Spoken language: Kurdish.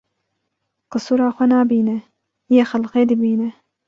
Qisura xwe nabîne yê xelkê dibîne